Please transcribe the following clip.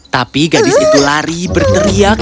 tapi gadis itu lari berteriak